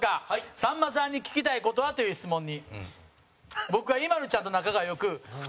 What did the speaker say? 「さんまさんに聞きたい事は？」という質問に。